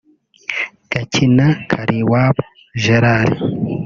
Gakina Kaliwabo Gerard